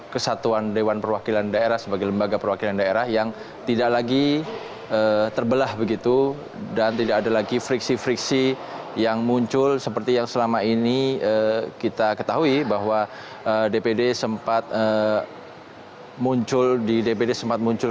kesatuan dewan perwakilan daerah sebagai lembaga perwakilan daerah yang tidak lagi terbelah begitu dan tidak ada lagi friksi friksi yang muncul seperti yang selama ini kita ketahui bahwa dpd sempat muncul di dpd sempat muncul